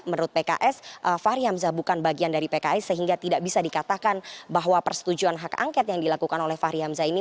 menurut pks fahri hamzah bukan bagian dari pks sehingga tidak bisa dikatakan bahwa persetujuan hak angket yang dilakukan oleh fahri hamzah ini